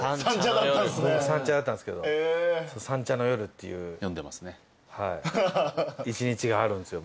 三茶だったんですけど三茶の夜っていう一日があるんですよ